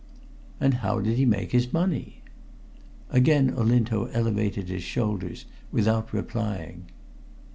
"And how did he make his money?" Again Olinto elevated his shoulders, without replying.